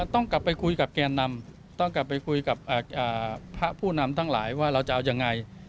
ต้องกลับไปคุยกับแกนนำต้องกลับไปคุยกับพระผู้นำทั้งหลายว่าเราจะเอายังไง